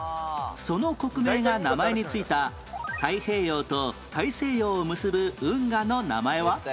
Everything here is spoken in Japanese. その国名が名前についた太平洋と大西洋を結ぶ運河の名前は？